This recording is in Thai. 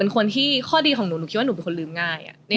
ข้อดีของหนูผมซ่วนอยากทิ้งยาก